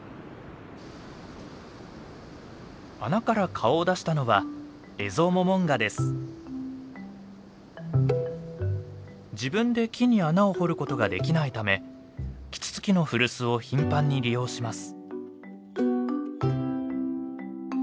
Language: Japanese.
穴から顔を出したのは自分で木に穴を掘ることができないためキツツキの古巣を頻繁に利用します。